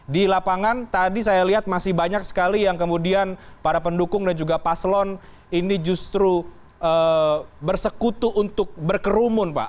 di lapangan tadi saya lihat masih banyak sekali yang kemudian para pendukung dan juga paslon ini justru bersekutu untuk berkerumun pak